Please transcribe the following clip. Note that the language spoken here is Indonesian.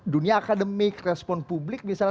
dunia akademik respon publik misalnya